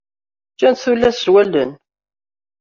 Ččant-t tullas s wallen.